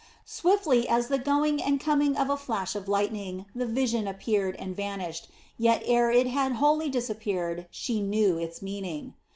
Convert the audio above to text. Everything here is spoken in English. Swiftly as the going and coming of a flash of lightning, the vision appeared and vanished, yet ere it had wholly disappeared she knew its meaning.